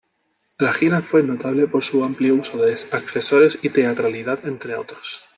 La gira fue notable por su amplio uso de accesorios y teatralidad entre otros.